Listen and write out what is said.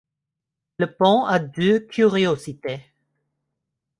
Le pont a deux curiosités.